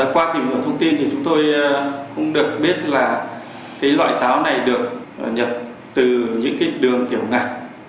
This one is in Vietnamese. qua tìm hiểu thông tin thì chúng tôi cũng được biết là loại táo này được nhập từ những đường tiểu ngạch